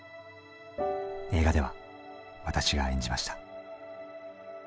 映画では私が演じました。